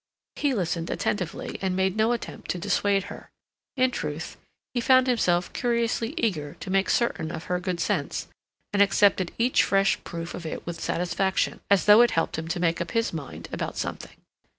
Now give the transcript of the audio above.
He listened attentively, and made no attempt to dissuade her. In truth, he found himself curiously eager to make certain of her good sense, and accepted each fresh proof of it with satisfaction, as though it helped him to make up his mind about something.